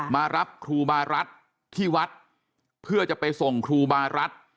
มารับครูบารัฐที่วัดเพื่อจะไปส่งครูบารัฐ